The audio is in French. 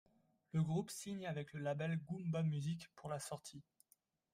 Le groupe signe avec le label Goomba Music pour la sortie.